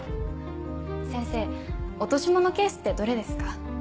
先生落とし物ケースってどれですか？